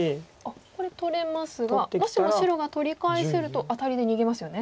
これ取れますがもしも白が取り返せるとアタリで逃げますよね。